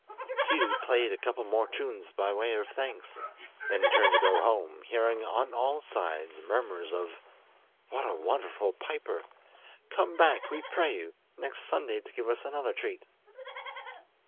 Tiidu played a couple more tunes by way of thanks, then turned to go home, hearing on all sides murmurs of "What a wonderful piper! Come back, we pray you, next Sunday to give us another treat."